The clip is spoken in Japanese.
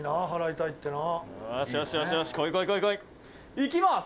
いきます！